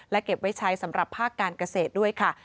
และเก็บไว้ใช้สำหรับภาคการเกษตรด้วยค่ะ